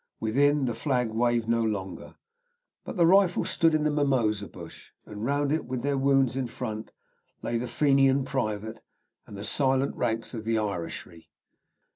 Within, the flag waved no longer, but the rifle stood in the mimosa bush, and round it, with their wounds in front, lay the Fenian private and the silent ranks of the Irishry.